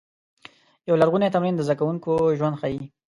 یو لرغونی تمرین د زده کوونکو ژوند ښيي.